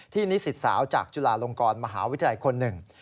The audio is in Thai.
นิสิตสาวจากจุฬาลงกรมหาวิทยาลัยคนหนึ่ง